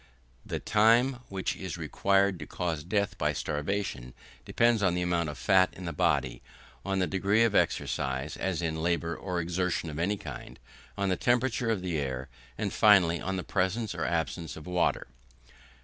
The time which is required to cause death by starvation depends on the amount of fat in the body, on the degree of exercise, as in labour or exertion of any kind, on the temperature of the air, and finally, on the presence or absence of water.